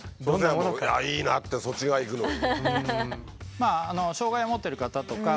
そしたらいいなってそっち側いくのに。